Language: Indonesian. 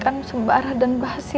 kali itu aku capai jamoi sudah sampai